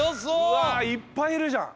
うわいっぱいいるじゃん。